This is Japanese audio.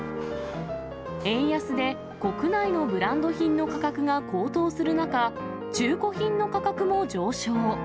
円安で、国内のブランド品の価格が高騰する中、中古品の価格も上昇。